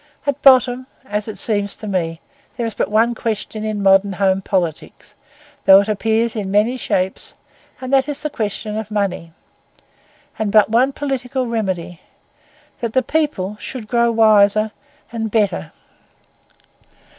At bottom, as it seems to me, there is but one question in modern home politics, though it appears in many shapes, and that is the question of money; and but one political remedy, that the people should grow wiser and better.